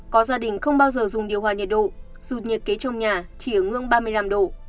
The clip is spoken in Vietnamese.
có gia đình không bao giờ dùng điều hòa nhiệt độ sụt nhiệt kế trong nhà chỉ ở ngưỡng ba mươi năm độ